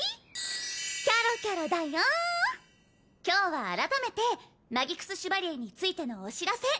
キャロキャロだよ今日は改めてマギクス・シュバリエについてのお知らせ